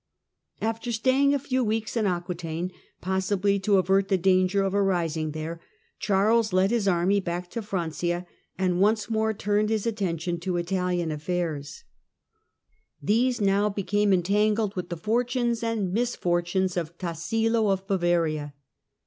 After staying a few weeks in Aquetaine, possibly to avert the danger of a rising there, Charles led his army back to Francia, and once more turned his attention to Italian affairs. Tassilo of These now become entangled with the fortunes and misfortunes of Tassilo of Bavaria.